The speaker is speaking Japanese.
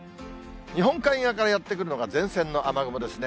日本海側からやって来るのが前線の雨雲ですね。